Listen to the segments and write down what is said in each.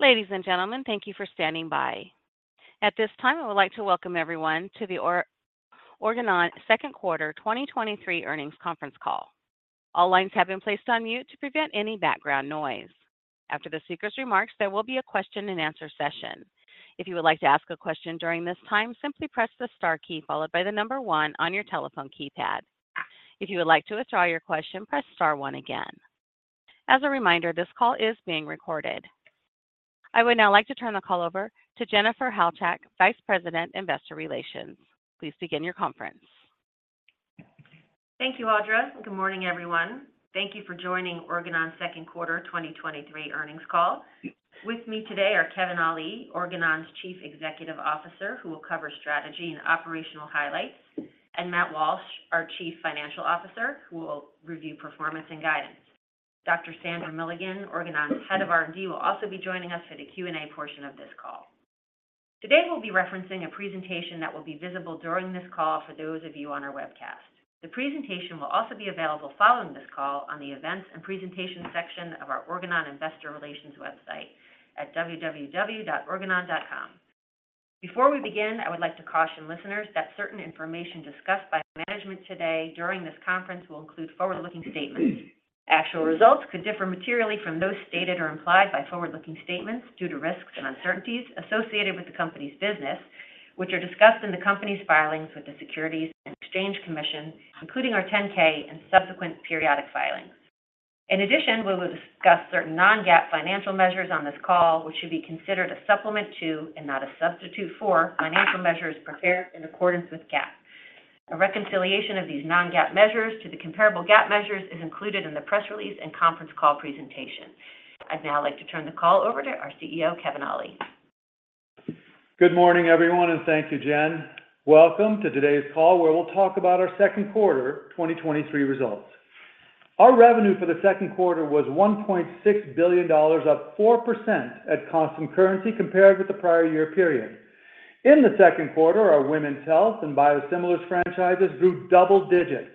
Ladies and gentlemen, thank you for standing by. At this time, I would like to welcome everyone to the Organon Second Quarter 2023 Earnings Conference Call. All lines have been placed on mute to prevent any background noise. After the speaker's remarks, there will be a question-and-answer session. If you would like to ask a question during this time, simply press the star key followed by the number 1 on your telephone keypad. If you would like to withdraw your question, press star 1 again. As a reminder, this call is being recorded. I would now like to turn the call over to Jennifer Halchak, Vice President, Investor Relations. Please begin your conference. Thank you, Audra, and good morning, everyone. Thank you for joining Organon's second quarter 2023 earnings call. With me today are Kevin Ali, Organon's Chief Executive Officer, who will cover strategy and operational highlights, and Matt Walsh, our Chief Financial Officer, who will review performance and guidance. Dr. Sandra Milligan, Organon's Head of R&D, will also be joining us for the Q&A portion of this call. Today, we'll be referencing a presentation that will be visible during this call for those of you on our webcast. The presentation will also be available following this call on the Events and Presentation section of our Organon Investor Relations website at www.organon.com. Before we begin, I would like to caution listeners that certain information discussed by management today during this conference will include forward-looking statements. Actual results could differ materially from those stated or implied by forward-looking statements due to risks and uncertainties associated with the company's business, which are discussed in the company's filings with the Securities and Exchange Commission, including our 10-K and subsequent periodic filings. In addition, we will discuss certain Non-GAAP financial measures on this call, which should be considered a supplement to, and not a substitute for, financial measures prepared in accordance with GAAP. A reconciliation of these Non-GAAP measures to the comparable GAAP measures is included in the press release and conference call presentation. I'd now like to turn the call over to our CEO, Kevin Ali. Good morning, everyone, thank you, Jen. Welcome to today's call, where we'll talk about our second quarter 2023 results. Our revenue for the second quarter was $1.6 billion, up 4% at constant currency compared with the prior year period. In the second quarter, our women's health and biosimilars franchises grew double digits,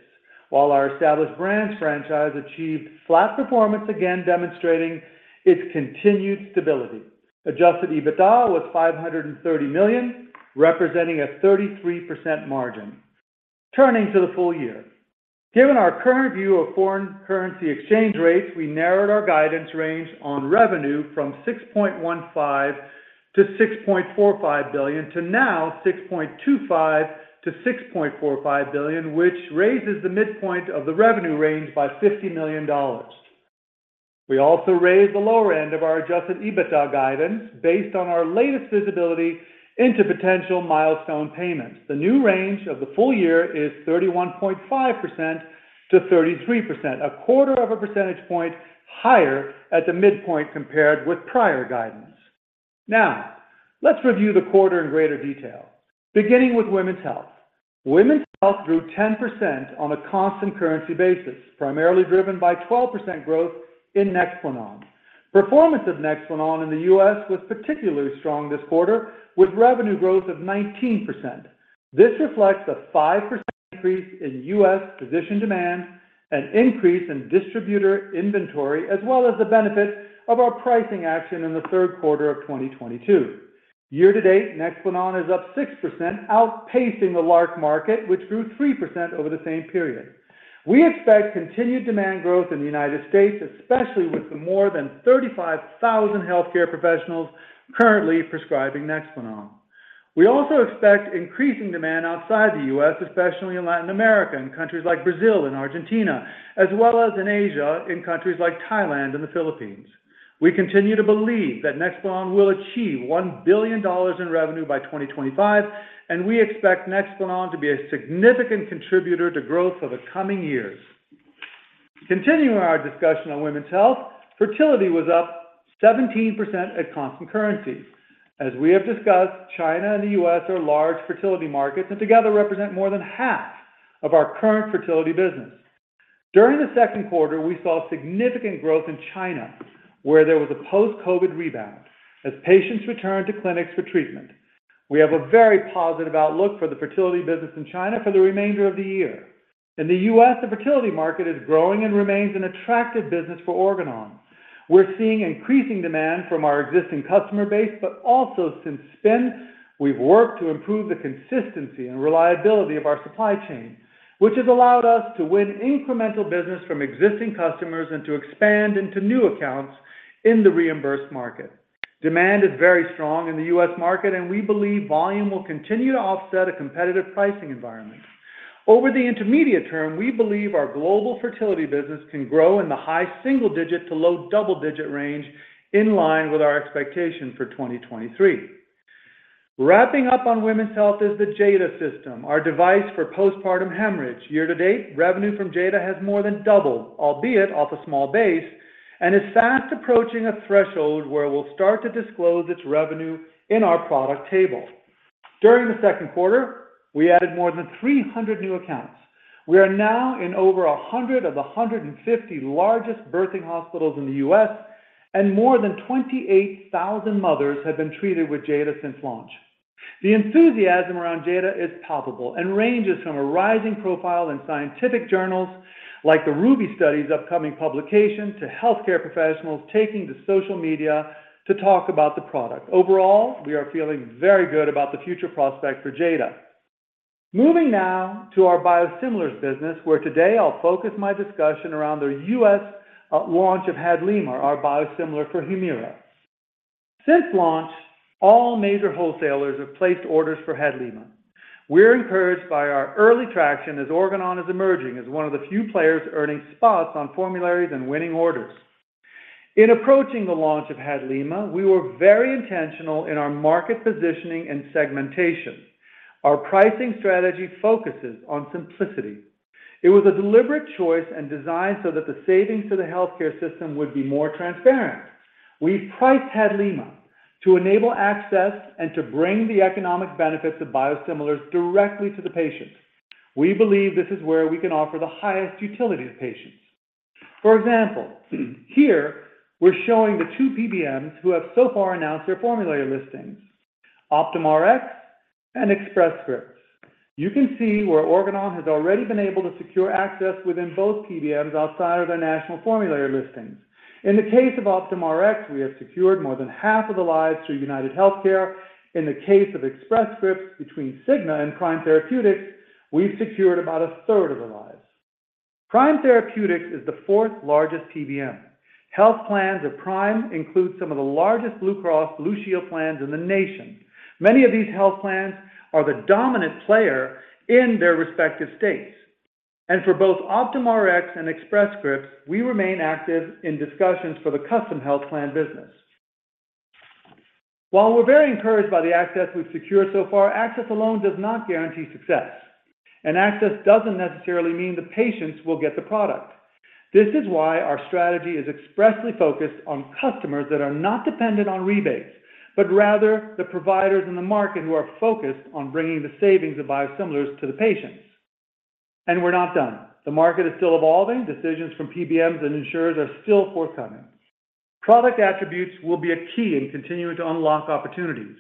while our established brands franchise achieved flat performance, again demonstrating its continued stability. Adjusted EBITDA was $530 million, representing a 33% margin. Turning to the full year. Given our current view of foreign currency exchange rates, we narrowed our guidance range on revenue from $6.15 billion-$6.45 billion to now $6.25 billion-$6.45 billion, which raises the midpoint of the revenue range by $50 million. We also raised the lower end of our adjusted EBITDA guidance based on our latest visibility into potential milestone payments. The new range of the full year is 31.5%-33%, a 0.25 percentage point higher at the midpoint compared with prior guidance. Let's review the quarter in greater detail. Beginning with women's health. Women's health grew 10% on a constant currency basis, primarily driven by 12% growth in Nexplanon. Performance of Nexplanon in the U.S. was particularly strong this quarter, with revenue growth of 19%. This reflects a 5% increase in U.S. physician demand, an increase in distributor inventory, as well as the benefit of our pricing action in the third quarter of 2022. Year to date, Nexplanon is up 6%, outpacing the LARC market, which grew 3% over the same period. We expect continued demand growth in the United States, especially with the more than 35,000 healthcare professionals currently prescribing Nexplanon. We also expect increasing demand outside the U.S., especially in Latin America, in countries like Brazil and Argentina, as well as in Asia, in countries like Thailand and the Philippines. We continue to believe that Nexplanon will achieve $1 billion in revenue by 2025, and we expect Nexplanon to be a significant contributor to growth for the coming years. Continuing our discussion on women's health, fertility was up 17% at constant currency. As we have discussed, China and the U.S. are large fertility markets and together represent more than half of our current fertility business. During the second quarter, we saw significant growth in China, where there was a post-COVID rebound as patients returned to clinics for treatment. We have a very positive outlook for the fertility business in China for the remainder of the year. In the U.S., the fertility market is growing and remains an attractive business for Organon. Also since then, we've worked to improve the consistency and reliability of our supply chain, which has allowed us to win incremental business from existing customers and to expand into new accounts in the reimbursed market. Demand is very strong in the U.S. market. We believe volume will continue to offset a competitive pricing environment. Over the intermediate term, we believe our global fertility business can grow in the high single-digit to low double-digit range, in line with our expectation for 2023. Wrapping up on women's health is the Jada System, our device for postpartum hemorrhage. Year to date, revenue from Jada has more than doubled, albeit off a small base, and is fast approaching a threshold where we'll start to disclose its revenue in our product table. During the second quarter, we added more than 300 new accounts. We are now in over 100 of the 150 largest birthing hospitals in the U.S., and more than 28,000 mothers have been treated with Jada since launch. The enthusiasm around Jada is palpable and ranges from a rising profile in scientific journals like the RUBY Study's upcoming publication, to healthcare professionals taking to social media to talk about the product. Overall, we are feeling very good about the future prospect for Jada. Moving now to our biosimilars business, where today I'll focus my discussion around the U.S. launch of HADLIMA, our biosimilar for Humira. Since launch, all major wholesalers have placed orders for HADLIMA. We're encouraged by our early traction as Organon is emerging as one of the few players earning spots on formularies and winning orders. In approaching the launch of HADLIMA, we were very intentional in our market positioning and segmentation. Our pricing strategy focuses on simplicity. It was a deliberate choice and design so that the savings to the healthcare system would be more transparent. We priced HADLIMA to enable access and to bring the economic benefits of biosimilars directly to the patient. We believe this is where we can offer the highest utility to patients. For example, here we're showing the 2 PBMs who have so far announced their formulary listings, Optum Rx and Express Scripts. You can see where Organon has already been able to secure access within both PBMs outside of their national formulary listings. In the case of OptumRx, we have secured more than half of the lives through UnitedHealthcare. In the case of Express Scripts, between Cigna and Prime Therapeutics, we've secured about a third of the lives. Prime Therapeutics is the fourth largest PBM. Health plans of Prime include some of the largest Blue Cross Blue Shield plans in the nation. Many of these health plans are the dominant player in their respective states, and for both OptumRx and Express Scripts, we remain active in discussions for the custom health plan business. While we're very encouraged by the access we've secured so far, access alone does not guarantee success, and access doesn't necessarily mean the patients will get the product. This is why our strategy is expressly focused on customers that are not dependent on rebates, but rather the providers in the market who are focused on bringing the savings of biosimilars to the patients. We're not done. The market is still evolving. Decisions from PBMs and insurers are still forthcoming. Product attributes will be a key in continuing to unlock opportunities.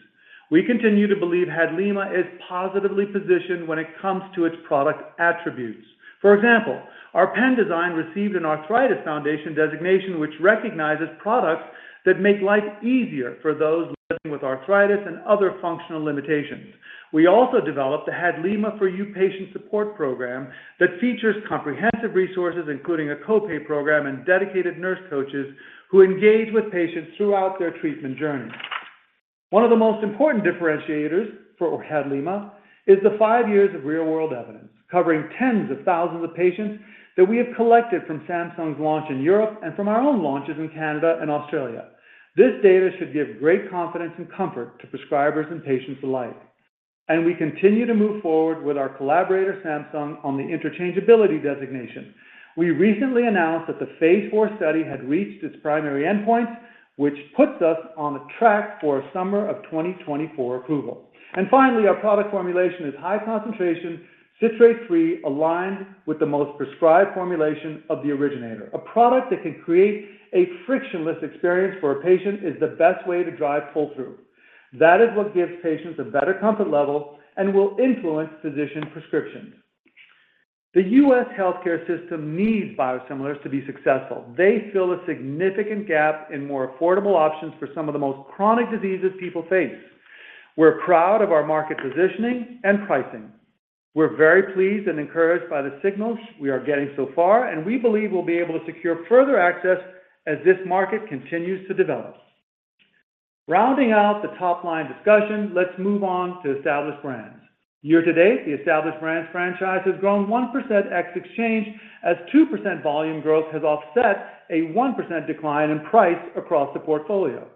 We continue to believe HADLIMA is positively positioned when it comes to its product attributes. For example, our pen design received an Arthritis Foundation designation, which recognizes products that make life easier for those living with arthritis and other functional limitations. We also developed the Hadlima for You patient support program that features comprehensive resources, including a co-pay program and dedicated nurse coaches who engage with patients throughout their treatment journey. One of the most important differentiators for HADLIMA is the 5 years of real-world evidence, covering tens of thousands of patients that we have collected from Samsung's launch in Europe and from our own launches in Canada and Australia. This data should give great confidence and comfort to prescribers and patients alike, we continue to move forward with our collaborator, Samsung, on the interchangeability designation. We recently announced that the phase 4 study had reached its primary endpoint, which puts us on a track for a summer of 2024 approval. Finally, our product formulation is high concentration, citrate-free, aligned with the most prescribed formulation of the originator. A product that can create a frictionless experience for a patient is the best way to drive pull-through. That is what gives patients a better comfort level and will influence physician prescriptions. The U.S. healthcare system needs biosimilars to be successful. They fill a significant gap in more affordable options for some of the most chronic diseases people face. We're proud of our market positioning and pricing. We're very pleased and encouraged by the signals we are getting so far, and we believe we'll be able to secure further access as this market continues to develop. Rounding out the top-line discussion, let's move on to Established Brands. Year to date, the Established Brands franchise has grown 1% ex exchange, as 2% volume growth has offset a 1% decline in price across the portfolio.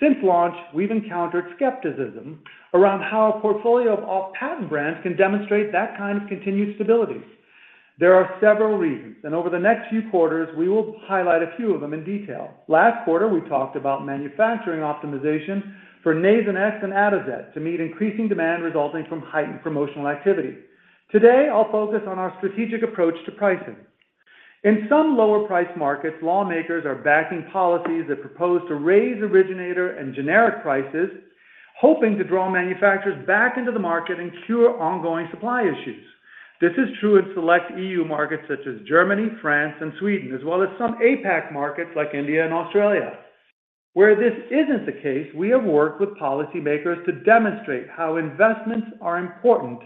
Since launch, we've encountered skepticism around how a portfolio of off-patent brands can demonstrate that kind of continued stability. There are several reasons, and over the next few quarters, we will highlight a few of them in detail. Last quarter, we talked about manufacturing optimization for Nasonex and Atozet to meet increasing demand resulting from heightened promotional activity. Today, I'll focus on our strategic approach to pricing. In some lower-priced markets, lawmakers are backing policies that propose to raise originator and generic prices, hoping to draw manufacturers back into the market and cure ongoing supply issues. This is true in select EU markets such as Germany, France, and Sweden, as well as some APAC markets like India and Australia. Where this isn't the case, we have worked with policy makers to demonstrate how investments are important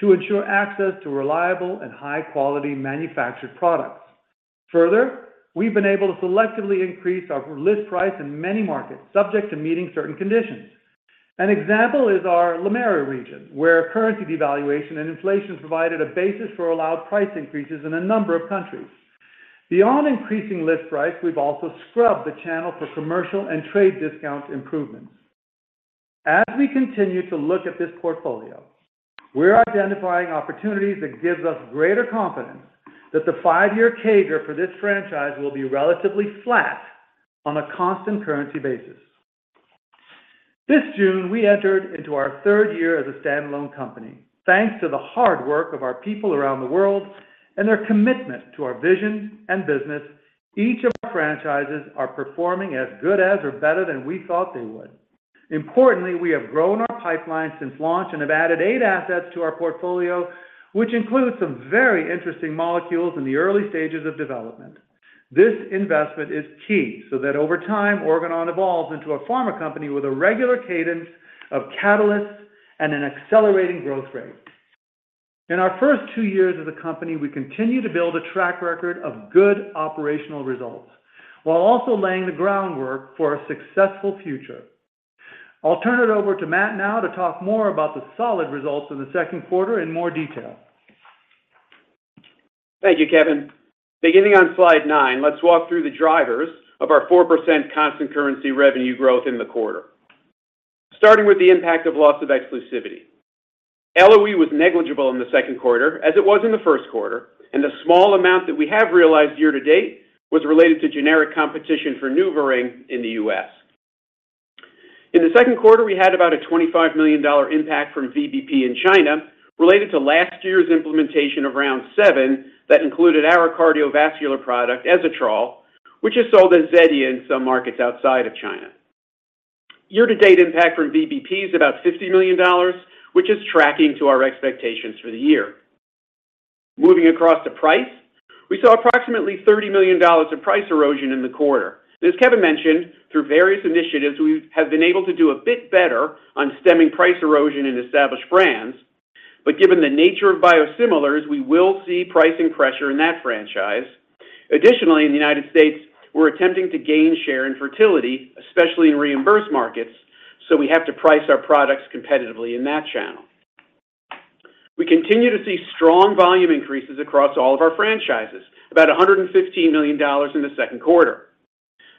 to ensure access to reliable and high-quality manufactured products. Further, we've been able to selectively increase our list price in many markets, subject to meeting certain conditions. An example is our LAMER region, where currency devaluation and inflation provided a basis for allowed price increases in a number of countries. Beyond increasing list price, we've also scrubbed the channel for commercial and trade discount improvements. As we continue to look at this portfolio, we're identifying opportunities that gives us greater confidence that the five-year CAGR for this franchise will be relatively flat on a constant currency basis. This June, we entered into our third year as a standalone company. Thanks to the hard work of our people around the world and their commitment to our vision and business, each of our franchises are performing as good as or better than we thought they would... Importantly, we have grown our pipeline since launch and have added eight assets to our portfolio, which includes some very interesting molecules in the early stages of development. This investment is key so that over time, Organon evolves into a pharma company with a regular cadence of catalysts and an accelerating growth rate. In our first two years as a company, we continue to build a track record of good operational results while also laying the groundwork for a successful future. I'll turn it over to Matt now to talk more about the solid results of the second quarter in more detail. Thank you, Kevin. Beginning on slide 9, let's walk through the drivers of our 4% constant currency revenue growth in the quarter. Starting with the impact of loss of exclusivity. LOE was negligible in the second quarter, as it was in the first quarter, and the small amount that we have realized year to date was related to generic competition for NuvaRing in the U.S. In the second quarter, we had about a $25 million impact from VBP in China, related to last year's implementation of round 7 that included our cardiovascular product, Atozet, which is sold as Zetia in some markets outside of China. Year to date, impact from VBP is about $50 million, which is tracking to our expectations for the year. Moving across to price, we saw approximately $30 million in price erosion in the quarter. As Kevin mentioned, through various initiatives, we have been able to do a bit better on stemming price erosion in Established Brands, but given the nature of biosimilars, we will see pricing pressure in that franchise. Additionally, in the United States, we're attempting to gain share in fertility, especially in reimbursed markets, so we have to price our products competitively in that channel. We continue to see strong volume increases across all of our franchises, about $115 million in the second quarter.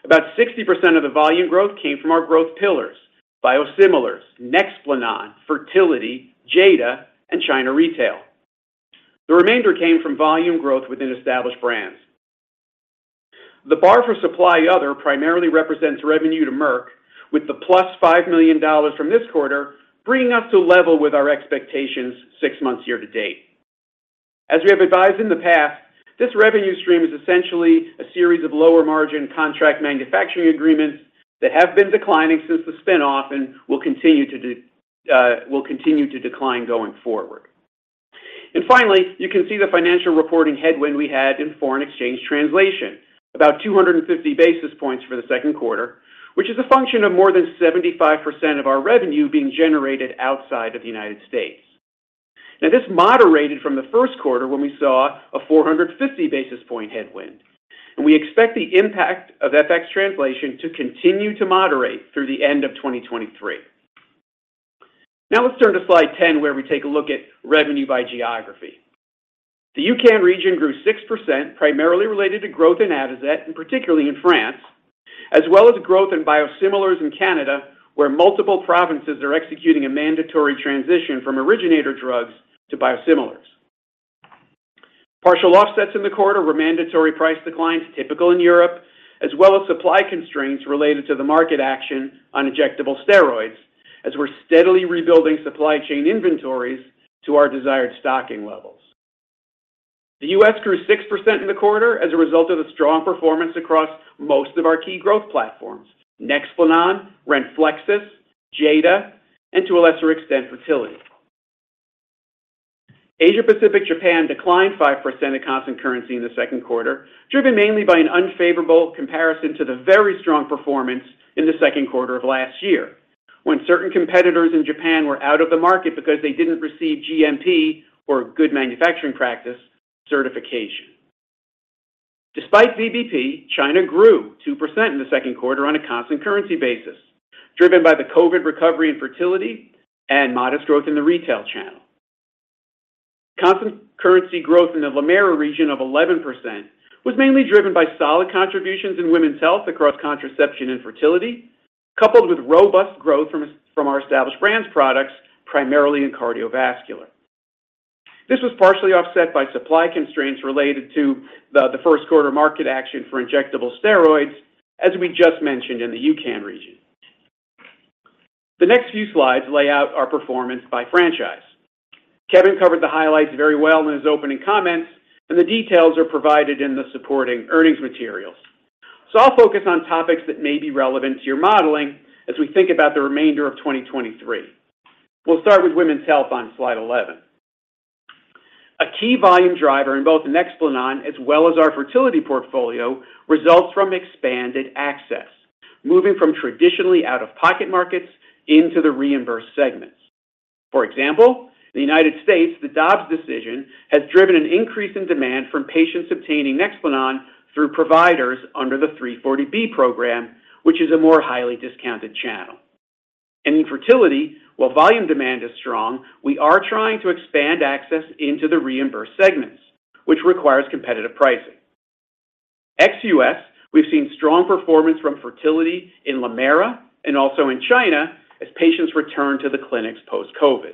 About 60% of the volume growth came from our growth pillars: biosimilars, Nexplanon, fertility, Jada, and China Retail. The remainder came from volume growth within Established Brands. The bar for supply other primarily represents revenue to Merck, with the +$5 million from this quarter, bringing us to level with our expectations six months year to date. As we have advised in the past, this revenue stream is essentially a series of lower-margin contract manufacturing agreements that have been declining since the spin-off and will continue to decline going forward. Finally, you can see the financial reporting headwind we had in foreign exchange translation, about 250 basis points for the second quarter, which is a function of more than 75% of our revenue being generated outside of the United States. This moderated from the first quarter, when we saw a 450 basis point headwind, and we expect the impact of FX translation to continue to moderate through the end of 2023. Let's turn to Slide 10, where we take a look at revenue by geography. The UCAN region grew 6%, primarily related to growth in Atozet, particularly in France, as well as growth in biosimilars in Canada, where multiple provinces are executing a mandatory transition from originator drugs to biosimilars. Partial offsets in the quarter were mandatory price declines, typical in Europe, as well as supply constraints related to the market action on injectable steroids, as we're steadily rebuilding supply chain inventories to our desired stocking levels. The U.S. grew 6% in the quarter as a result of the strong performance across most of our key growth platforms, Nexplanon, Renflexis, Jada, and to a lesser extent, fertility. Asia Pacific, Japan declined 5% in constant currency in the second quarter, driven mainly by an unfavorable comparison to the very strong performance in the second quarter of last year, when certain competitors in Japan were out of the market because they didn't receive GMP, or Good Manufacturing Practice, certification. Despite VBP, China grew 2% in the second quarter on a constant currency basis, driven by the COVID recovery and fertility and modest growth in the retail channel. Constant currency growth in the LATAM region of 11% was mainly driven by solid contributions in women's health across contraception and fertility, coupled with robust growth from our established brands products, primarily in cardiovascular. This was partially offset by supply constraints related to the first quarter market action for injectable steroids, as we just mentioned in the UCAN region. The next few slides lay out our performance by franchise. Kevin covered the highlights very well in his opening comments, and the details are provided in the supporting earnings materials. I'll focus on topics that may be relevant to your modeling as we think about the remainder of 2023. We'll start with women's health on Slide 11. A key volume driver in both Nexplanon, as well as our fertility portfolio, results from expanded access, moving from traditionally out-of-pocket markets into the reimbursed segments. For example, the United States, the Dobbs decision, has driven an increase in demand from patients obtaining Nexplanon through providers under the 340B program, which is a more highly discounted channel. In fertility, while volume demand is strong, we are trying to expand access into the reimbursed segments, which requires competitive pricing. Ex-U.S., we've seen strong performance from fertility in LATAM and also in China as patients return to the clinics post-COVID.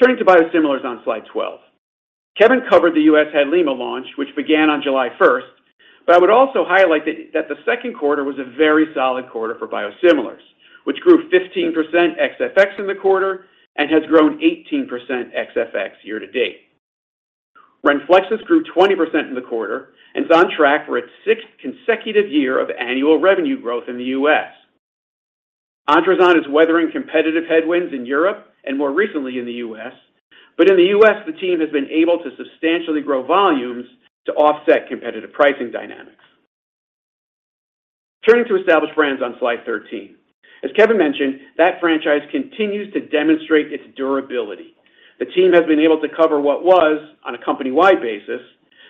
Turning to biosimilars on Slide 12. Kevin covered the U.S. HADLIMA launch, which began on July 1st. I would also highlight that the second quarter was a very solid quarter for biosimilars. % ex FX in the quarter and has grown 18% ex FX year to date. Renflexis grew 20% in the quarter and is on track for its sixth consecutive year of annual revenue growth in the U.S. Androzon is weathering competitive headwinds in Europe and more recently in the U.S., but in the U.S., the team has been able to substantially grow volumes to offset competitive pricing dynamics. Turning to Established Brands on slide 13. As Kevin mentioned, that franchise continues to demonstrate its durability. The team has been able to cover what was, on a company-wide basis,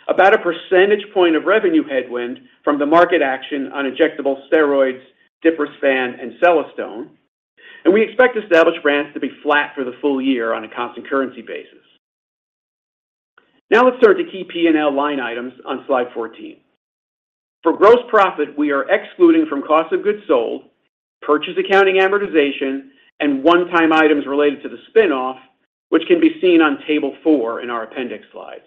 about a percentage point of revenue headwind from the market action on injectable steroids, Diprospan, and Celestone. We expect Established Brands to be flat for the full year on a constant currency basis. Now, let's turn to key P&L line items on slide 14. For gross profit, we are excluding from cost of goods sold, purchase accounting amortization, and one-time items related to the spin-off, which can be seen on table four in our appendix slides.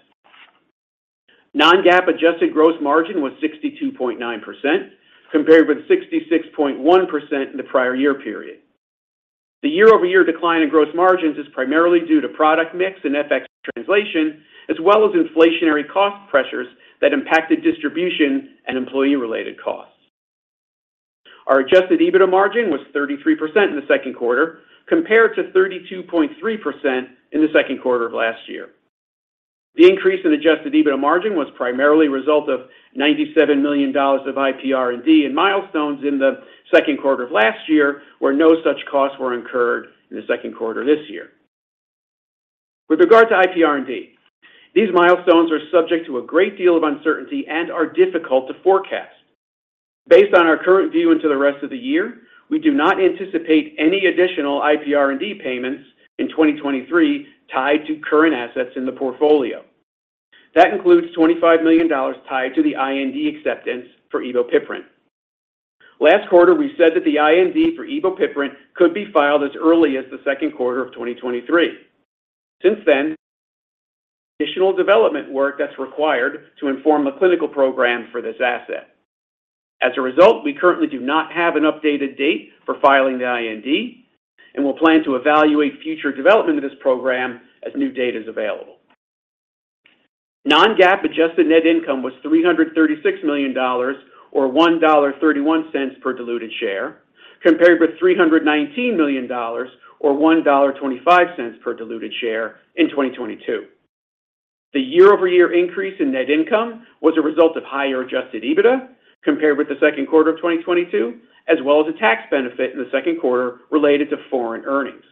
Non-GAAP adjusted gross margin was 62.9%, compared with 66.1% in the prior year period. The year-over-year decline in gross margins is primarily due to product mix and FX translation, as well as inflationary cost pressures that impacted distribution and employee-related costs. Our adjusted EBITDA margin was 33% in the second quarter, compared to 32.3% in the second quarter of last year. The increase in adjusted EBITDA margin was primarily a result of $97 million of IPR&D and milestones in the second quarter of last year, where no such costs were incurred in the second quarter this year. With regard to IPR&D, these milestones are subject to a great deal of uncertainty and are difficult to forecast. Based on our current view into the rest of the year, we do not anticipate any additional IPR&D payments in 2023 tied to current assets in the portfolio. That includes $25 million tied to the IND acceptance for evopiprant. Last quarter, we said that the IND for evopiprant could be filed as early as the second quarter of 2023. Since then, additional development work that's required to inform the clinical program for this asset. As a result, we currently do not have an updated date for filing the IND, and we'll plan to evaluate future development of this program as new data is available. Non-GAAP adjusted net income was $336 million or $1.31 per diluted share, compared with $319 million or $1.25 per diluted share in 2022. The year-over-year increase in net income was a result of higher adjusted EBITDA compared with the second quarter of 2022, as well as a tax benefit in the second quarter related to foreign earnings.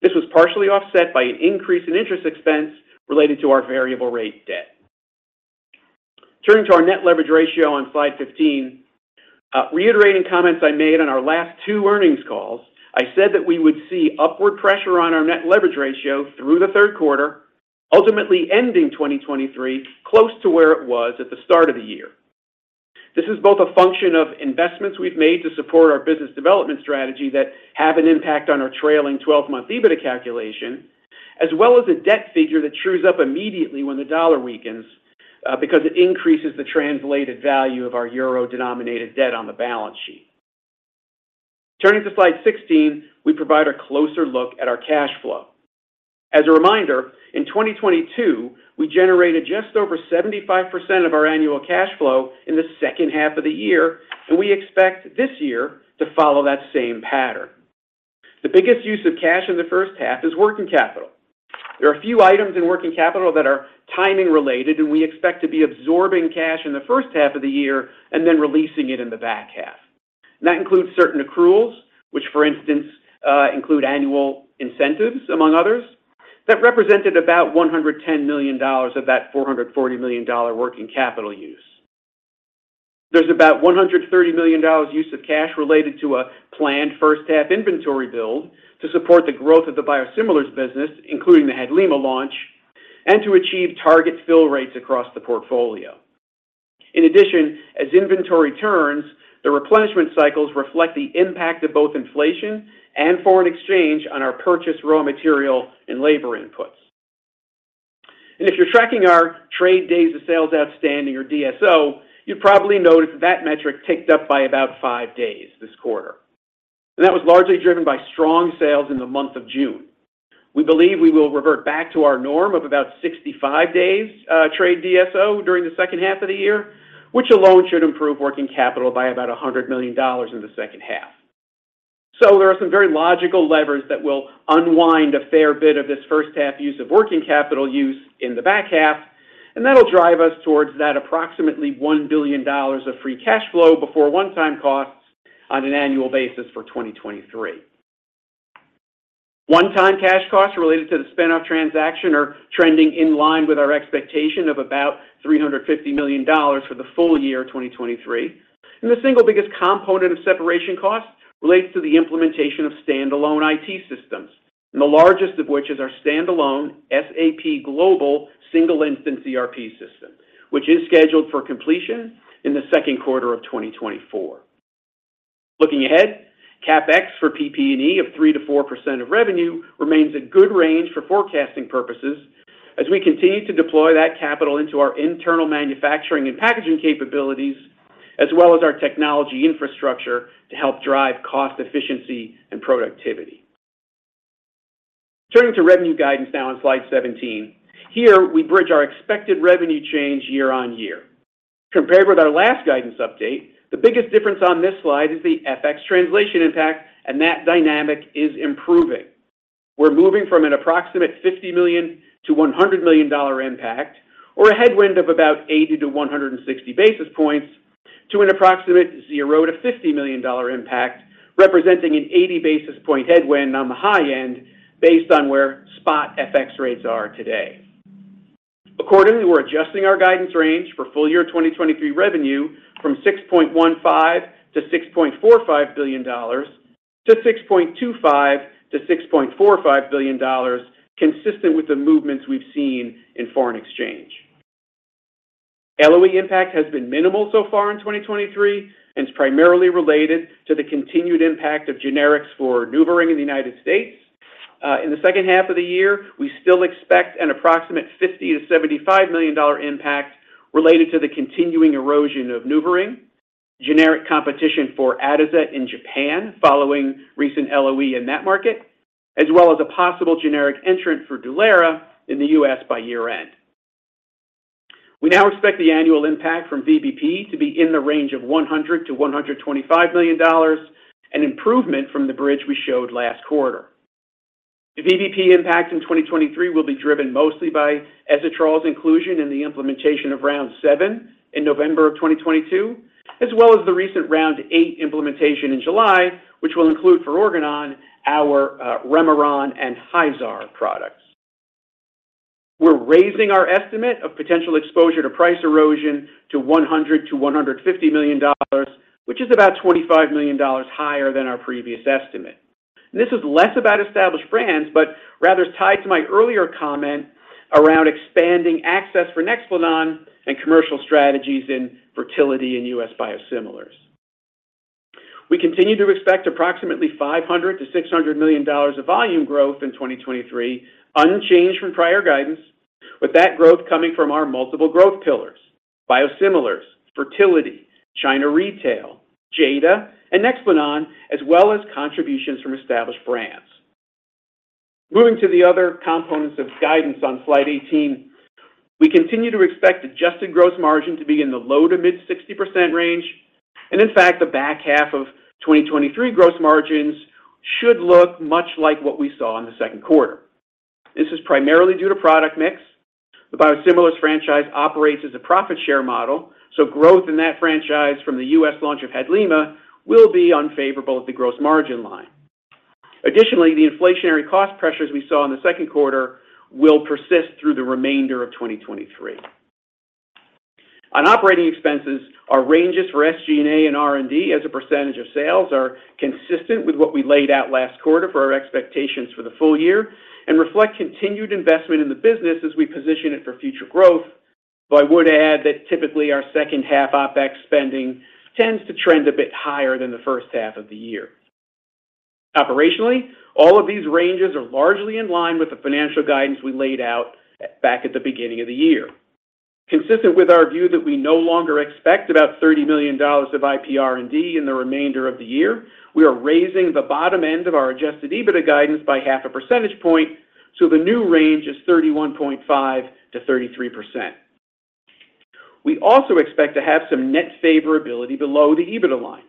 This was partially offset by an increase in interest expense related to our variable rate debt. Turning to our net leverage ratio on slide 15, reiterating comments I made on our last two earnings calls, I said that we would see upward pressure on our net leverage ratio through the third quarter, ultimately ending 2023 close to where it was at the start of the year. This is both a function of investments we've made to support our business development strategy that have an impact on our trailing twelve-month EBITDA calculation, as well as a debt figure that trues up immediately when the dollar weakens, because it increases the translated value of our euro-denominated debt on the balance sheet. Turning to slide 16, we provide a closer look at our cash flow. As a reminder, in 2022, we generated just over 75% of our annual cash flow in the second half of the year. We expect this year to follow that same pattern. The biggest use of cash in the first half is working capital. There are a few items in working capital that are timing-related. We expect to be absorbing cash in the first half of the year and then releasing it in the back half. That includes certain accruals, which, for instance, include annual incentives, among others, that represented about $110 million of that $440 million working capital use. There's about $130 million use of cash related to a planned first-half inventory build to support the growth of the biosimilars business, including the HADLIMA launch, and to achieve target fill rates across the portfolio. In addition, as inventory turns, the replenishment cycles reflect the impact of both inflation and foreign exchange on our purchase, raw material, and labor inputs. If you're tracking our trade days of sales outstanding or DSO, you've probably noticed that metric ticked up by about five days this quarter, and that was largely driven by strong sales in the month of June. We believe we will revert back to our norm of about 65 days, trade DSO during the second half of the year, which alone should improve working capital by about $100 million in the second half. There are some very logical levers that will unwind a fair bit of this first half use of working capital use in the back half, and that'll drive us towards that approximately $1 billion of free cash flow before one-time costs on an annual basis for 2023. One-time cash costs related to the spin-off transaction are trending in line with our expectation of about $350 million for the full year, 2023. The single biggest component of separation costs relates to the implementation of standalone IT systems, and the largest of which is our standalone SAP Global single instance ERP system, which is scheduled for completion in the second quarter of 2024. Looking ahead, CapEx for PP&E of 3%-4% of revenue remains a good range for forecasting purposes as we continue to deploy that capital into our internal manufacturing and packaging capabilities as well as our technology infrastructure to help drive cost efficiency and productivity. Turning to revenue guidance now on slide 17. Here, we bridge our expected revenue change year-on-year. Compared with our last guidance update, the biggest difference on this slide is the FX translation impact. That dynamic is improving. We're moving from an approximate $50 million-$100 million impact, or a headwind of about 80-160 basis points, to an approximate $0-$50 million impact, representing an 80 basis point headwind on the high end based on where spot FX rates are today. Accordingly, we're adjusting our guidance range for full year 2023 revenue from $6.15 billion-$6.45 billion to $6.25 billion-$6.45 billion, consistent with the movements we've seen in foreign exchange. LOE impact has been minimal so far in 2023, and it's primarily related to the continued impact of generics for NuvaRing in the United States. In the second half of the year, we still expect an approximate $50 million-$75 million impact related to the continuing erosion of NuvaRing, generic competition for Atozet in Japan following recent LOE in that market, as well as a possible generic entrant for Dulera in the U.S. by year-end. We now expect the annual impact from VBP to be in the range of $100 million-$125 million, an improvement from the bridge we showed last quarter. The VBP impact in 2023 will be driven mostly by Eszopiclone's inclusion in the implementation of round 7 in November 2022, as well as the recent round 8 implementation in July, which will include for Organon, our Remeron and Hyzaar products. We're raising our estimate of potential exposure to price erosion to $100 million-$150 million, which is about $25 million higher than our previous estimate. This is less about established brands, but rather is tied to my earlier comment around expanding access for Nexplanon and commercial strategies in fertility and US biosimilars. We continue to expect approximately $500 million-$600 million of volume growth in 2023, unchanged from prior guidance, with that growth coming from our multiple growth pillars: biosimilars, fertility, China retail, Jada, and Nexplanon, as well as contributions from established brands. Moving to the other components of guidance on slide 18, we continue to expect adjusted gross margin to be in the low to mid 60% range. In fact, the back half of 2023 gross margins should look much like what we saw in the second quarter. This is primarily due to product mix. The biosimilars franchise operates as a profit share model. Growth in that franchise from the U.S. launch of HADLIMA will be unfavorable at the gross margin line. Additionally, the inflationary cost pressures we saw in the second quarter will persist through the remainder of 2023. On operating expenses, our ranges for SG&A and R&D as a percentage of sales are consistent with what we laid out last quarter for our expectations for the full year and reflect continued investment in the business as we position it for future growth. I would add that typically, our second-half OpEx spending tends to trend a bit higher than the first half of the year. Operationally, all of these ranges are largely in line with the financial guidance we laid out back at the beginning of the year. Consistent with our view that we no longer expect about $30 million of IPR&D in the remainder of the year, we are raising the bottom end of our adjusted EBITDA guidance by 0.5 percentage point, so the new range is 31.5%-33%. We also expect to have some net favorability below the EBITDA line.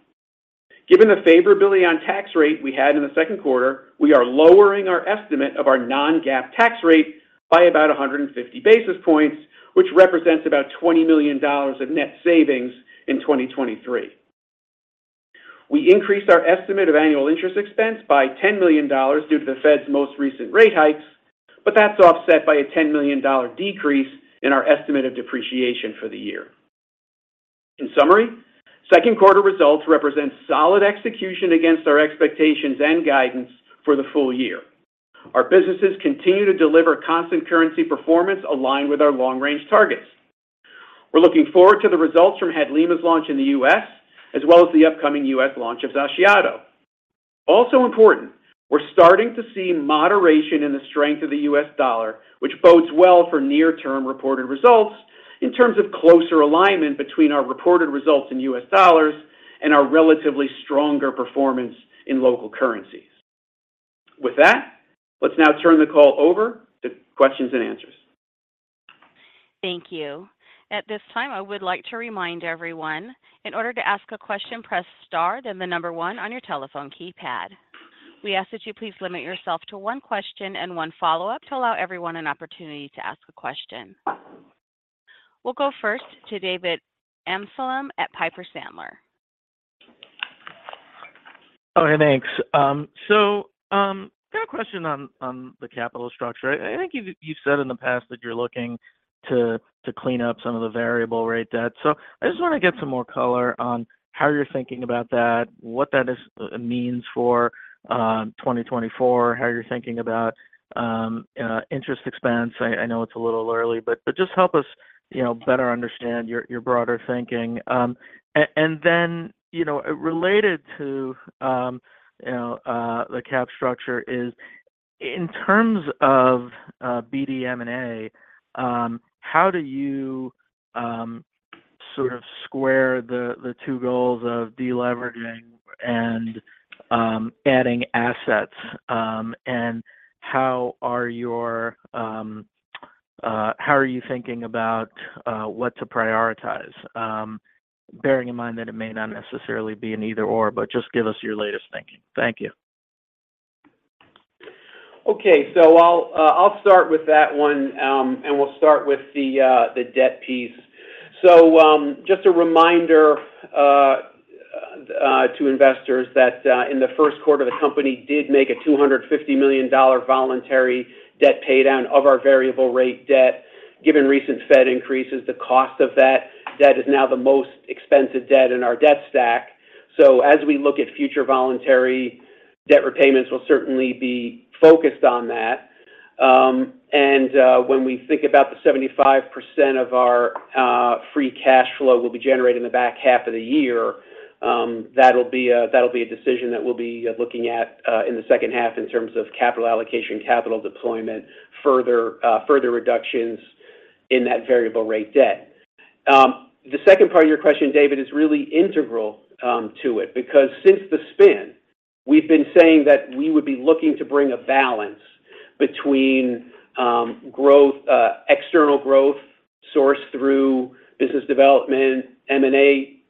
Given the favorability on tax rate we had in the second quarter, we are lowering our estimate of our Non-GAAP tax rate by about 150 basis points, which represents about $20 million of net savings in 2023. We increased our estimate of annual interest expense by $10 million due to the Fed's most recent rate hikes, that's offset by a $10 million decrease in our estimate of depreciation for the year. In summary, second quarter results represent solid execution against our expectations and guidance for the full year. Our businesses continue to deliver constant currency performance aligned with our long-range targets. We're looking forward to the results from HADLIMA's launch in the U.S., as well as the upcoming U.S. launch of Xaciato. Important, we're starting to see moderation in the strength of the U.S. dollar, which bodes well for near-term reported results in terms of closer alignment between our reported results in U.S. dollars and our relatively stronger performance in local currencies. With that, let's now turn the call over to questions and answers. Thank you. At this time, I would like to remind everyone, in order to ask a question, press star, then the number 1 on your telephone keypad. We ask that you please limit yourself to 1 question and 1 follow-up to allow everyone an opportunity to ask a question. We'll go first to David Amsellem at Piper Sandler. Okay, thanks. I got a question on the capital structure. I think you said in the past that you're looking to clean up some of the variable rate debt. I just wanna get some more color on how you're thinking about that, what that means for 2024, how you're thinking about interest expense. I know it's a little early, but just help us, you know, better understand your broader thinking. Then, you know, related to, you know, the cap structure. In terms of BD M&A, how do you sort of square the two goals of deleveraging and adding assets? How are you thinking about what to prioritize? Bearing in mind that it may not necessarily be an either/or, but just give us your latest thinking. Thank you. Okay. I'll start with that one, and we'll start with the debt piece. Just a reminder to investors that in the first quarter, the company did make a $250 million voluntary debt paydown of our variable rate debt. Given recent Fed increases, the cost of that debt is now the most expensive debt in our debt stack. As we look at future voluntary debt repayments, we'll certainly be focused on that. When we think about the 75% of our free cash flow will be generated in the back half of the year, that'll be a, that'll be a decision that we'll be looking at in the second half in terms of capital allocation, capital deployment, further, further reductions in that variable rate debt. The second part of your question, David, is really integral to it, because since the spin, we've been saying that we would be looking to bring a balance between growth, external growth sourced through business development,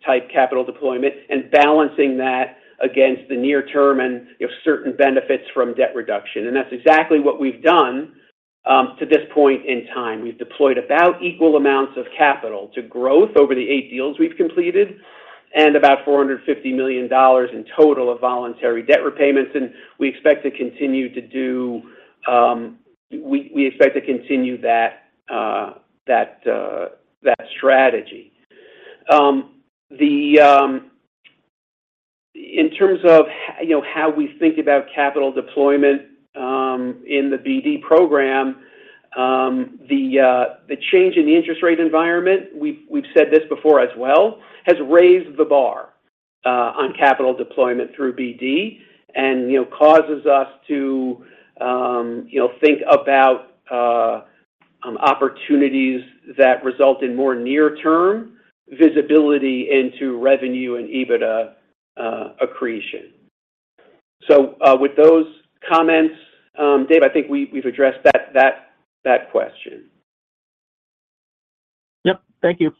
M&A-type capital deployment, and balancing that against the near term and, you know, certain benefits from debt reduction. That's exactly what we've done to this point in time. We've deployed about equal amounts of capital to growth over the eight deals we've completed, and about $450 million in total of voluntary debt repayments, and we expect to continue that strategy. The, in terms of you know, how we think about capital deployment, in the BD program, the change in the interest rate environment, we've, we've said this before as well, has raised the bar on capital deployment through BD and, you know, causes us to, you know, think about opportunities that result in more near-term visibility into revenue and EBITDA accretion. With those comments, Dave, I think we've addressed that, that, that question. Yep. Thank you.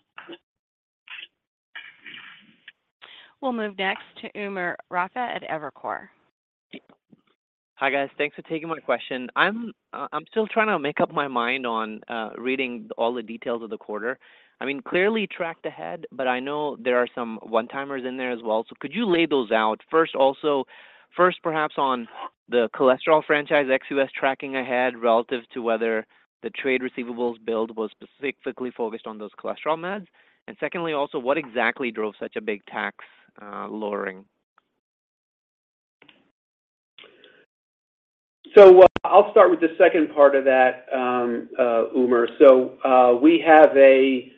We'll move next to Umer Raffat at Evercore. Hi, guys. Thanks for taking my question. I'm, I'm still trying to make up my mind on, reading all the details of the quarter. I mean, clearly tracked ahead, but I know there are some one-timers in there as well. Could you lay those out? First, also, first, perhaps on the cholesterol franchise, ex-US tracking ahead relative to whether the trade receivables build was specifically focused on those cholesterol meds. Secondly, also, what exactly drove such a big tax, lowering? I'll start with the second part of that, Umer. We have a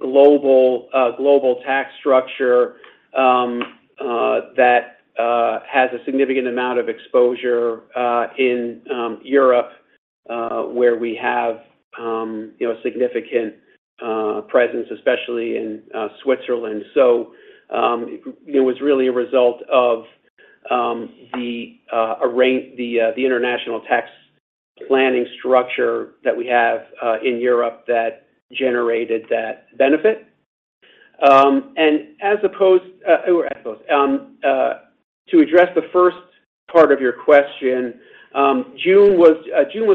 global, global tax structure that has a significant amount of exposure in Europe, where we have, you know, a significant presence, especially in Switzerland. It was really a result of the international tax planning structure that we have in Europe that generated that benefit. As opposed, or as opposed, to address the first part of your question, June was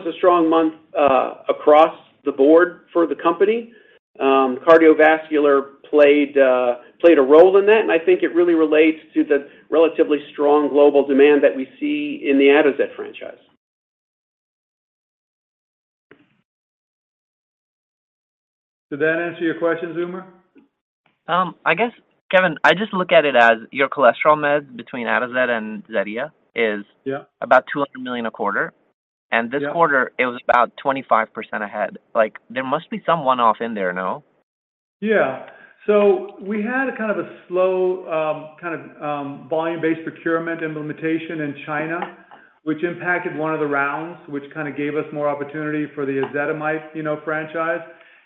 a strong month across the board for the company. Cardiovascular played a role in that, and I think it really relates to the relatively strong global demand that we see in the Atozet franchise. Did that answer your question, Umer? I guess, Kevin, I just look at it as your cholesterol meds between Atozet and Zetia is. Yeah - about $200 million a quarter, and- Yeah this quarter, it was about 25% ahead. Like, there must be some one-off in there, no? Yeah. We had a kind of a slow, kind of, volume-based procurement implementation in China, which impacted one of the rounds, which kind of gave us more opportunity for the ezetimibe, you know, franchise.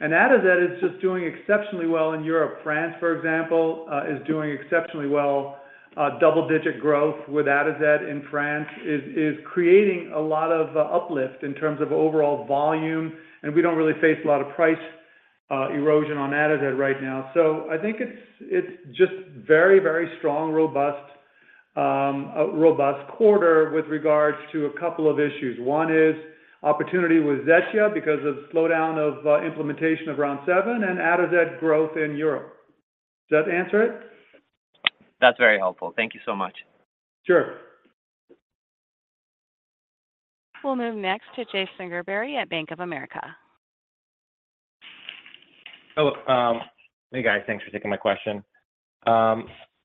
Atozet is just doing exceptionally well in Europe. France, for example, is doing exceptionally well. Double-digit growth with Atozet in France is, is creating a lot of uplift in terms of overall volume, and we don't really face a lot of price erosion on Atozet right now. I think it's, it's just very, very strong, robust, a robust quarter with regards to a couple of issues. One is opportunity with Zetia because of the slowdown of implementation of Round Seven and Atozet growth in Europe. Does that answer it? That's very helpful. Thank you so much. Sure. We'll move next to Jason Gerberry at Bank of America. Oh, hey, guys. Thanks for taking my question.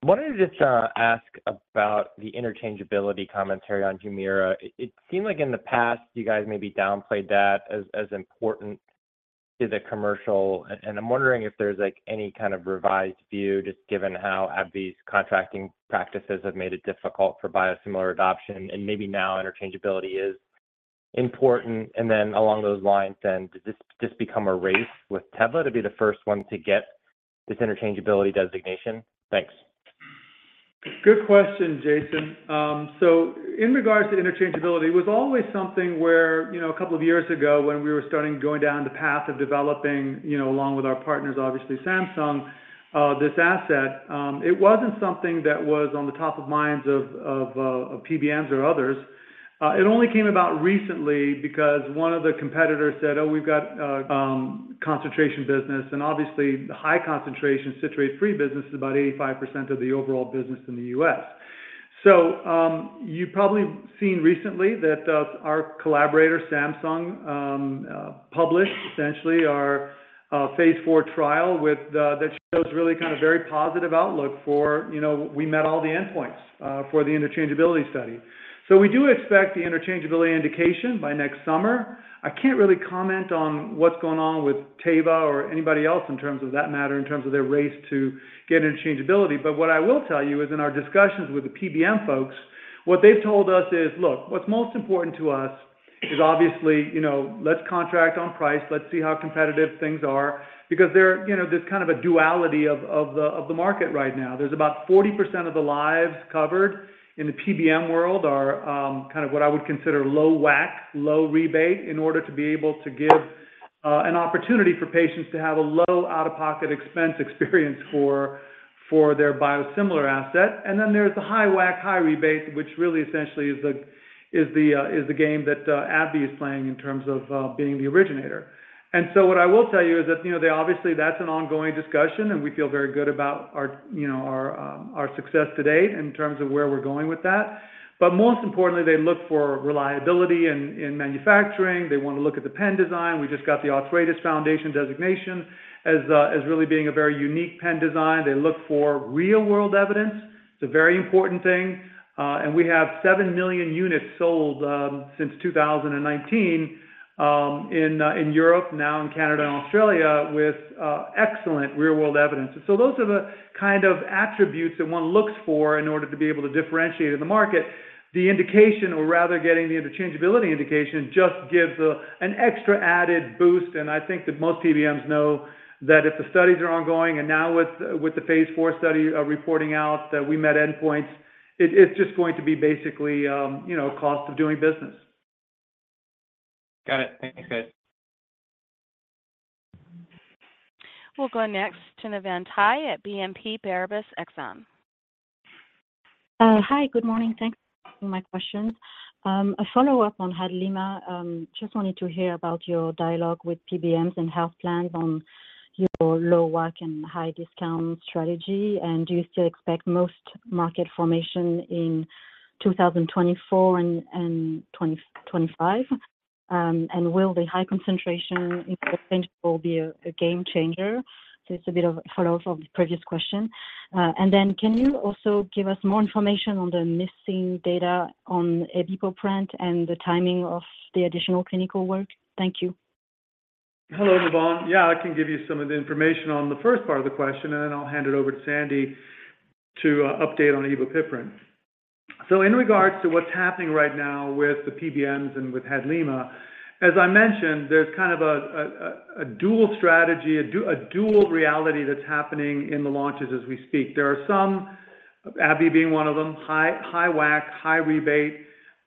Wanted to just ask about the interchangeability commentary on Humira. It seemed like in the past, you guys maybe downplayed that as important.is a commercial, and I'm wondering if there's, like, any kind of revised view, just given how AbbVie's contracting practices have made it difficult for biosimilar adoption, and maybe now interchangeability is important. Then along those lines, does this become a race with Teva to be the first one to get this interchangeability designation? Thanks. Good question, Jason. In regards to interchangeability, it was always something where, you know, a couple of years ago when we were starting going down the path of developing, you know, along with our partners, obviously Samsung, this asset, it wasn't something that was on the top of minds of PBMs or others. It only came about recently because one of the competitors said, "Oh, we've got concentration business," and obviously, the high concentration citrate-free business is about 85% of the overall business in the U.S. You've probably seen recently that our collaborator, Samsung, published essentially our phase 4 trial with that shows really kind of very positive outlook for, you know, we met all the endpoints for the interchangeability study. We do expect the interchangeability indication by next summer. I can't really comment on what's going on with Teva or anybody else in terms of that matter, in terms of their race to get interchangeability. What I will tell you is in our discussions with the PBM folks, what they've told us is, "Look, what's most important to us is obviously, you know, let's contract on price. Let's see how competitive things are." You know, there's kind of a duality of, of the, of the market right now. There's about 40% of the lives covered in the PBM world are, kind of what I would consider low WAC, low rebate, in order to be able to give an opportunity for patients to have a low out-of-pocket expense experience for, for their biosimilar asset. Then there's the high WAC, high rebate, which really essentially is the, is the, is the game that AbbVie is playing in terms of being the originator. So what I will tell you is that, you know, they obviously, that's an ongoing discussion, and we feel very good about our, you know, our, our success to date in terms of where we're going with that. Most importantly, they look for reliability in, in manufacturing. They want to look at the pen design. We just got the Arthritis Foundation designation as really being a very unique pen design. They look for real-world evidence. It's a very important thing, and we have 7 million units sold since 2019 in Europe, now in Canada and Australia, with excellent real-world evidence. Those are the kind of attributes that one looks for in order to be able to differentiate in the market. The indication or rather getting the interchangeability indication, just gives an extra added boost, and I think that most PBMs know that if the studies are ongoing, and now with, with the phase 4 study reporting out that we met endpoints, it, it's just going to be basically, you know, cost of doing business. Got it. Thank you, guys. We'll go next to Nevant Hai at BNP Paribas Exane. Hi, good morning. Thanks for my questions. A follow-up on HADLIMA. Just wanted to hear about your dialogue with PBMs and health plans on your low WAC and high discount strategy. Do you still expect most market formation in 2024 and 2025? Will the high concentration interchangeable be a game changer? It's a bit of a follow-up of the previous question. Then can you also give us more information on the missing data on EpiPen and the timing of the additional clinical work? Thank you. Hello, Nevant. I can give you some of the information on the first part of the question, and then I'll hand it over to Sandy to update on Evopiprant. In regards to what's happening right now with the PBMs and with HADLIMA, as I mentioned, there's kind of a dual strategy, a dual reality that's happening in the launches as we speak. There are some, AbbVie being one of them, high WAC, high rebate,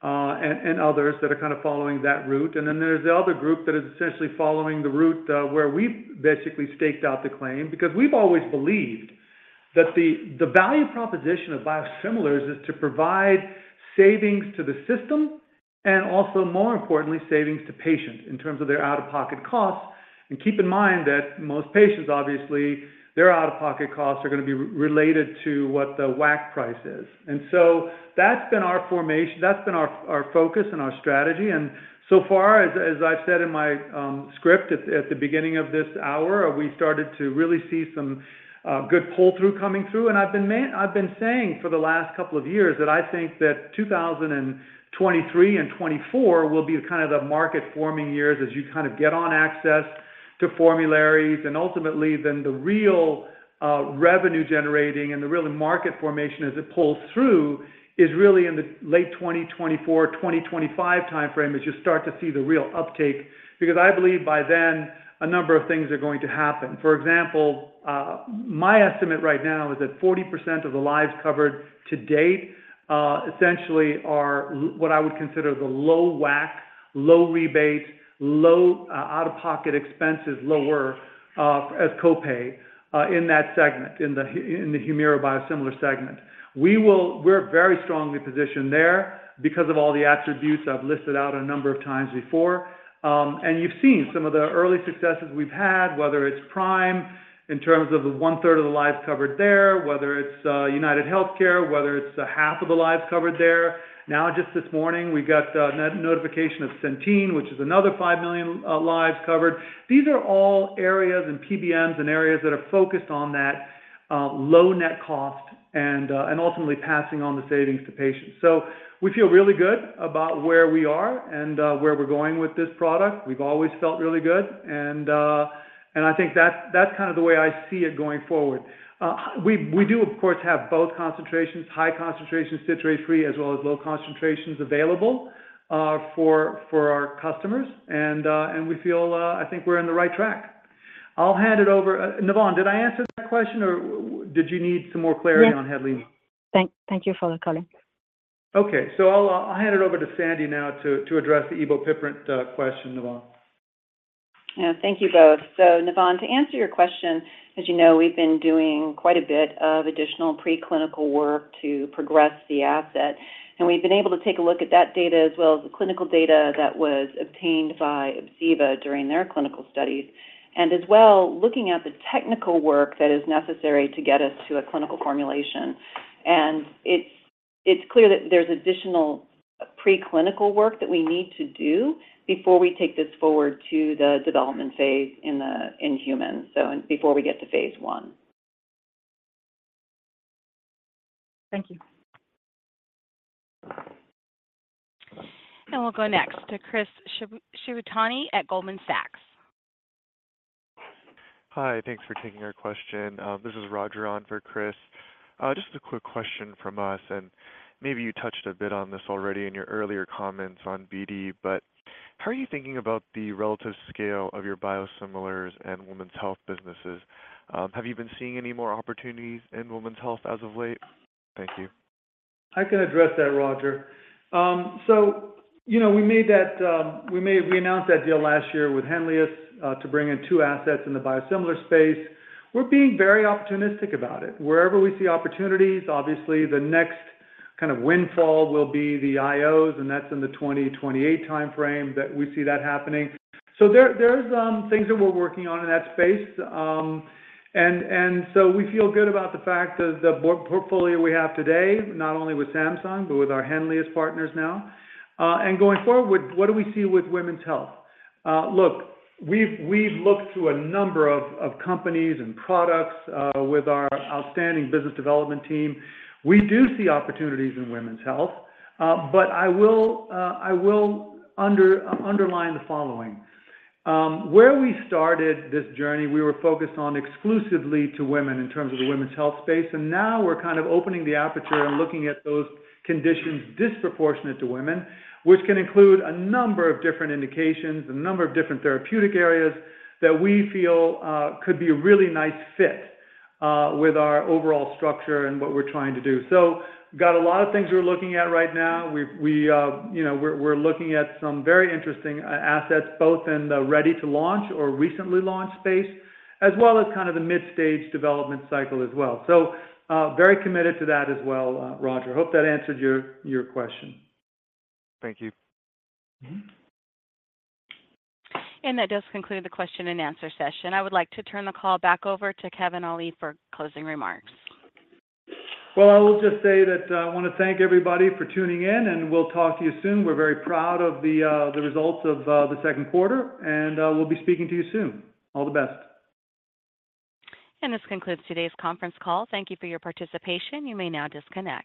and others that are kind of following that route. There's the other group that is essentially following the route where we've basically staked out the claim. We've always believed that the value proposition of biosimilars is to provide savings to the system, and also, more importantly, savings to patients in terms of their out-of-pocket costs. Keep in mind that most patients, obviously, their out-of-pocket costs are gonna be re-related to what the WAC price is. That's been our, our focus and our strategy. Far, as, as I've said in my script at, at the beginning of this hour, we started to really see some good pull-through coming through, and I've been saying for the last couple of years that I think that 2023 and 2024 will be kind of the market forming years as you kind of get on access to formularies. Ultimately, then the real revenue generating and the real market formation as it pulls through is really in the late 2024, 2025 timeframe, as you start to see the real uptake. Because I believe by then, a number of things are going to happen. For example, my estimate right now is that 40% of the lives covered to date, essentially are what I would consider the low WAC, low rebate, low out-of-pocket expenses, lower as copay in that segment, in the Humira biosimilar segment. We're very strongly positioned there because of all the attributes I've listed out a number of times before. You've seen some of the early successes we've had, whether it's Prime, in terms of the one-third of the lives covered there, whether it's UnitedHealthcare, whether it's the half of the lives covered there. Now, just this morning, we got notification of Centene, which is another 5 million lives covered. These are all areas and PBMs and areas that are focused on that low net cost and ultimately passing on the savings to patients. We feel really good about where we are and where we're going with this product. We've always felt really good, and I think that's, that's kind of the way I see it going forward. We, we do, of course, have both concentrations, high concentration citrate free, as well as low concentrations available for, for our customers, and we feel I think we're on the right track. I'll hand it over, Navon, did I answer that question, or did you need some more clarity? Yes. On Henlius? Thank you for the call. Okay. I'll, I'll hand it over to Sandy now to, to address the Evopiprant question, Navon. Yeah, thank you both. Nevant, to answer your question, as you know, we've been doing quite a bit of additional preclinical work to progress the asset, and we've been able to take a look at that data as well as the clinical data that was obtained by ObsEva during their clinical studies. As well, looking at the technical work that is necessary to get us to a clinical formulation. It's clear that there's additional preclinical work that we need to do before we take this forward to the development phase in humans, and before we get to phase I. Thank you. We'll go next to Chris Shibutani at Goldman Sachs. Hi, thanks for taking our question. This is Roger on for Chris. Just a quick question from us. Maybe you touched a bit on this already in your earlier comments on BD, how are you thinking about the relative scale of your biosimilars and women's health businesses? Have you been seeing any more opportunities in women's health as of late? Thank you. I can address that, Roger. You know, we made that, we announced that deal last year with Henlius to bring in two assets in the biosimilar space. We're being very opportunistic about it. Wherever we see opportunities, obviously the next kind of windfall will be the IOs, and that's in the 2028 time frame that we see that happening. There, there's things that we're working on in that space. So we feel good about the fact that the portfolio we have today, not only with Samsung, but with our Henlius partners now. Going forward, what do we see with women's health? Look, we've looked through a number of companies and products with our outstanding business development team. We do see opportunities in women's health. I will underline the following. Where we started this journey, we were focused on exclusively to women in terms of the women's health space, and now we're kind of opening the aperture and looking at those conditions disproportionate to women, which can include a number of different indications, a number of different therapeutic areas that we feel could be a really nice fit with our overall structure and what we're trying to do. Got a lot of things we're looking at right now. We've, we, you know, we're, we're looking at some very interesting assets, both in the ready to launch or recently launched space, as well as kind of the mid-stage development cycle as well. Very committed to that as well, Roger. Hope that answered your, your question. Thank you. That does conclude the question and answer session. I would like to turn the call back over to Kevin Ali for closing remarks. Well, I will just say that I want to thank everybody for tuning in, and we'll talk to you soon. We're very proud of the results of the second quarter, and we'll be speaking to you soon. All the best. This concludes today's conference call. Thank you for your participation. You may now disconnect.